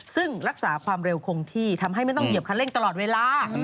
ซึ่งรักษาความเร็วคงที่ทำให้ไม่ต้องเหยียบคันเร่งตลอดเวลา